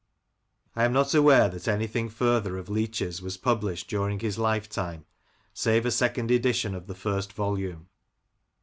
I am not aware that anything further of Leach's was published during his life time, save a second edition of the first volume.